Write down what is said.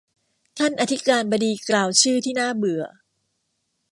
ท่านอธิการบดีกล่าวชื่อที่น่าเบื่อ